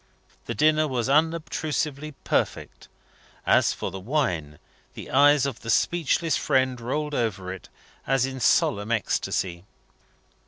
The dinner was unobtrusively perfect. As for the wine, the eyes of the speechless friend rolled over it, as in solemn ecstasy.